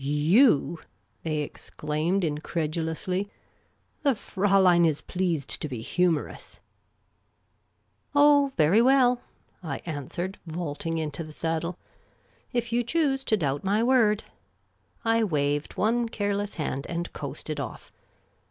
" You !" they exclaimed, incredulously. " TheFraulein is pleased to be humorous !"" Oh, very well," I answered, vaulting into the saddle ;" if you choose to doubt my word " I waved one care less hand and coasted off.